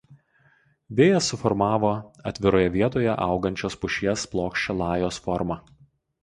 Vėjas suformavo atviroje vietoje augančios pušies plokščią lajos formą.